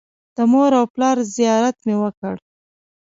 د مور او پلار زیارت مې وکړ.